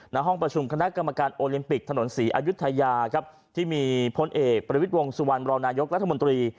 ห้องประชุมคณะกรรมการโอลิมปิกถนนศรีอายุทยาครับที่มีพลเอกประวิทย์วงสุวรรณบรองนายกรัฐมนตรี